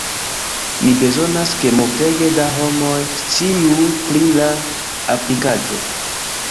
Ni bezonas, ke multege da homoj sciu pri la aplikaĵo